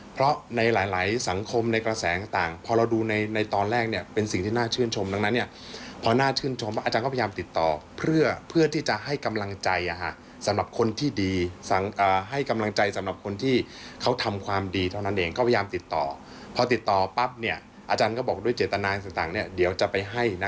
เพราะว่าเธอเป็นคนดีฉันปลื้มเธอเกิน